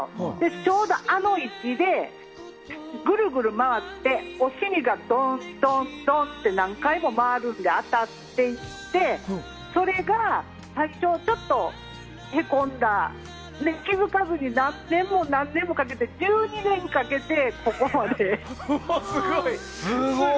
ちょうどあの位置でぐるぐる回ってお尻がどんどん！と何回も回るんで当たっていってそれが最初、ちょっとへこんで気づかずに何年も何年もかけて１２年かけてここまで。